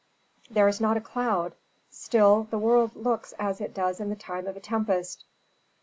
"There is not a cloud, still the world looks as it does in the time of a tempest."